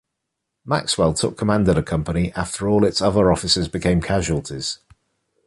Maxwell took command of the company after all of its other officers became casualties.